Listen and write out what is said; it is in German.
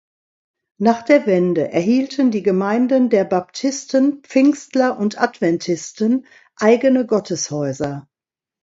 Nach der Wende erhielten die Gemeinden der Baptisten, Pfingstler und Adventisten eigene Gotteshäuser.